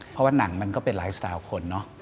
เพราะว่าหนังมันก็เป็นไลฟ์สไตล์คนเนอะ